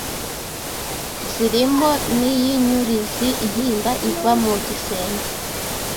Zirimo iy'inyurizi ihinda iva mu gisenge